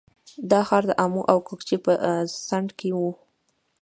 دا ښار د امو او کوکچې په څنډه کې و